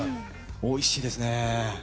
おいしいですね！